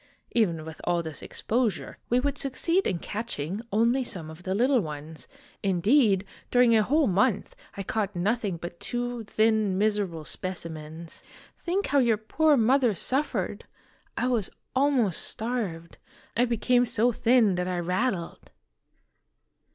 Even with all this exposure, we would succeed in catch ing only some of the little ones ; indeed, during a whole month I caught nothing but two thin miserable specimens. Think how your poor mother suffered ! I was almost starved. I became so thin that I rattled